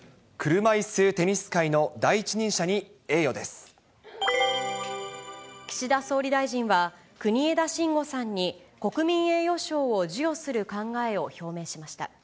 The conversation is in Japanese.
車いすテニス界の第一人者に岸田総理大臣は、国枝慎吾さんに国民栄誉賞を授与する考えを表明しました。